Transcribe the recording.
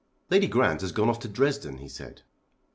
"Lady Grant has gone off to Dresden," he said.